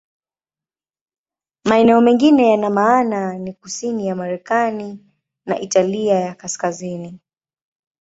Maeneo mengine ya maana ni kusini ya Marekani na Italia ya Kaskazini.